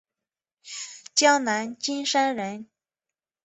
江南金山人。